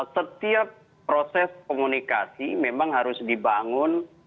setiap proses komunikasi memang harus dibangun